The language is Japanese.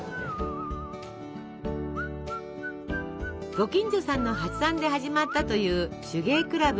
ご近所さんの発案で始まったという手芸クラブ。